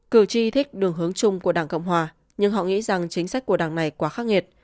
cử tri thích đường hướng chung của đảng cộng hòa nhưng họ nghĩ rằng chính sách của đảng này quá khắc nghiệt